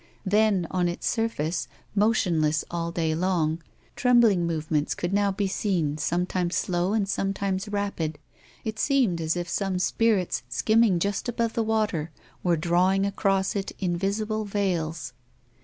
Then, on its surface, motionless all day long, trembling movements could now be seen sometimes slow and sometimes rapid. It seemed as if some spirits skimming just above the water were drawing across it invisible veils.